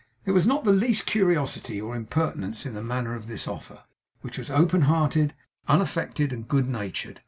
There was not the least curiosity or impertinence in the manner of this offer, which was open hearted, unaffected, and good natured.